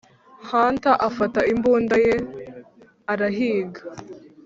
hunter afata imbunda ye arahiga.